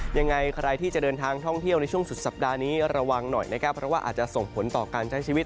ยังไงใครที่จะเดินทางท่องเที่ยวในช่วงสุดสัปดาห์นี้ระวังหน่อยนะครับเพราะว่าอาจจะส่งผลต่อการใช้ชีวิต